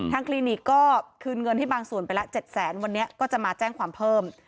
คลินิกก็คืนเงินให้บางส่วนไปละ๗แสนวันนี้ก็จะมาแจ้งความเพิ่ม